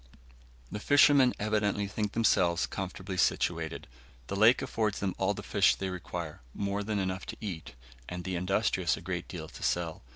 The fishermen evidently think themselves comfortably situated. The lake affords them all the fish they require, more than enough to eat, and the industrious a great deal to sell.